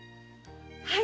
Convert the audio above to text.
はい！